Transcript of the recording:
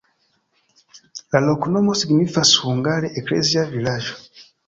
La loknomo signifas hungare: eklezia-vilaĝo.